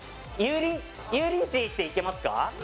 油淋鶏っていけますか？